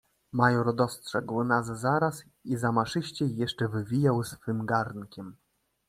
"Major dostrzegł nas zaraz i zamaszyściej jeszcze wywijał swym garnkiem."